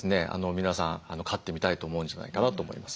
皆さん飼ってみたいと思うんじゃないかなと思います。